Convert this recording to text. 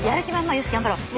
よし頑張ろう。